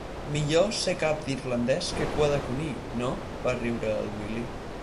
Millor ser cap d'irlandès que cua de conill, no? —va riure el Willy.